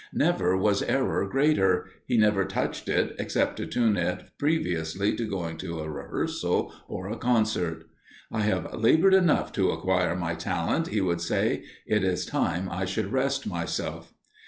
Never was error greater he never touched it except to tune it previously to going to a rehearsal or a concert. "I have laboured enough to acquire my talent," he would say, "it is time I should rest myself."